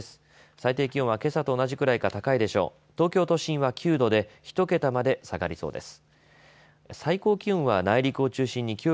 最低気温はけさと同じくらいか高いでしょう。